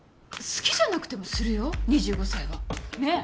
好きじゃなくてもするよ２５歳はねえ？